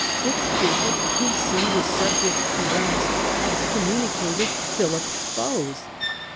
Its bishop, whose see was subject to Kheims, excommunicated Philip's foes.